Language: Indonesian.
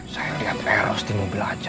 saya lihat eros di mobil aja